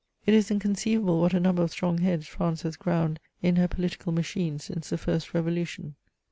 It is inconceivable what a number of strong heads France has ground in her political machine since the first revolution.